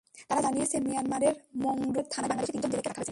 তারা জানিয়েছে, মিয়ানমারের মংডু শহরের থানায় বাংলাদেশি তিনজন জেলেকে রাখা হয়েছে।